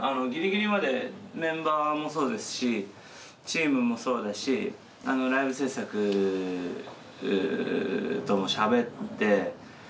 ギリギリまでメンバーもそうですしチームもそうだしライブ制作ともしゃべって。